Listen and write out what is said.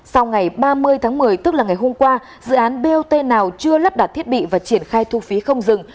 sau ngày ba mươi tháng một mươi tức là ngày hôm qua dự án bot nào chưa lắp đặt thiết bị và triển khai thu phí không dừng